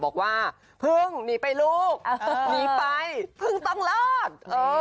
บอกว่าฟึงหนีไปลูกหนีไปฟึงต้องรอด